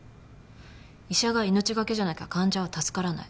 医者が命懸けじゃなきゃ患者は助からない。